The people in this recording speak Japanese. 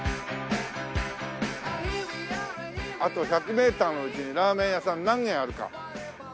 あと１００メーターのうちにラーメン屋さん何軒あるか。